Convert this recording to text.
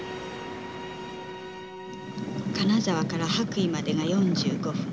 金沢から羽咋までが４５分。